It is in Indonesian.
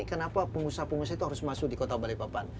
kenapa pengusaha pengusaha itu harus masuk di kota balikpapan